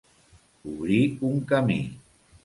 Obrir un camí.